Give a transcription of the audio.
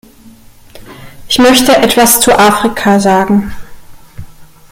Ich möchte etwas zu Afrika sagen.